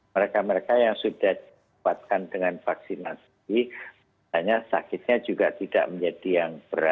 mereka mereka yang sudah dikuatkan dengan vaksinasi hanya sakitnya juga tidak menjadi yang berat